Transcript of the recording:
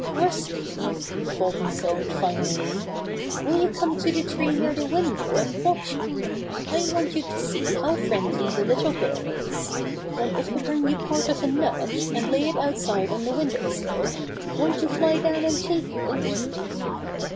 *^Rusty," Bobby said finally, "will you come to the tree near the window, and watch me? I want you to see how friendly the little girl is. Then if I bring you part of a nut, and lay It outside on the window sill, won't you fly down and take it?"